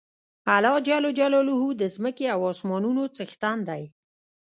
الله ج د ځمکی او اسمانونو څښتن دی